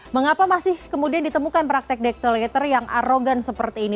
mengapa masih kemudian ditemukan praktek dektalator yang arogan seperti ini